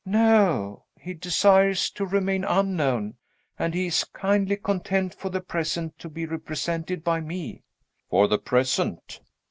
"No. He desires to remain unknown; and he is kindly content, for the present, to be represented by me." "For the present."